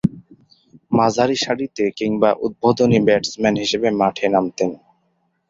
মাঝারিসারিতে কিংবা উদ্বোধনী ব্যাটসম্যান হিসেবে মাঠে নামতেন।